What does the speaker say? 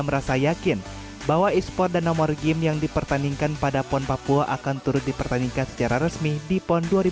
merasa yakin bahwa e sport dan nomor game yang dipertandingkan pada pon papua akan turut dipertandingkan secara resmi di pon dua ribu dua puluh